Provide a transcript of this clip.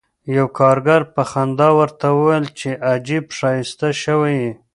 یوه کارګر په خندا ورته وویل چې عجب ښایسته شوی یې